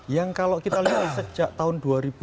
yang kalau kita lihat sejak tahun